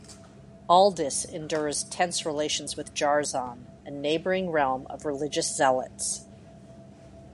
Aldis endures tense relations with Jarzon, a neighboring realm of religious zealots.